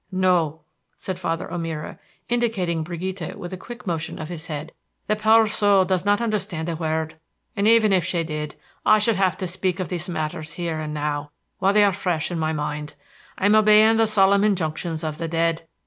"No," said Father O'Meara, indicating Brigida with a quick motion of his head, "the poor soul does not understand a word. But even if she did, I should have to speak of these matters here and now, while they are fresh in my mind. I am obeying the solemn injunctions of the dead.